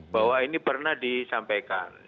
bahwa ini pernah disampaikan